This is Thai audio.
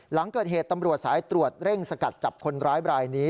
หลังเกิดเหตุตำรวจสายตรวจเร่งสกัดจับคนร้ายบรายนี้